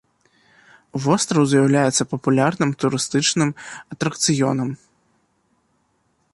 Востраў з'яўляецца папулярным турыстычным атракцыёнам.